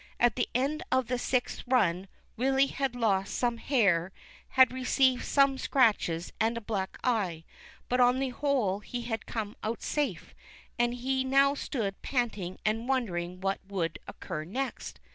At the end of the sixth run Willy had lost some hair, had received some scratches and a black eye; but on the whole he had come out safe, and he now stood panting and wondering what would occur next.